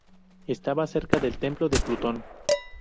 Estaba cerca del Templo de Plutón.